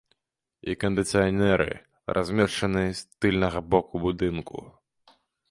І кандыцыянеры размешчаны з тыльнага боку будынку.